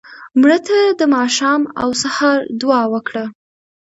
مړه ته د ماښام او سهار دعا وکړه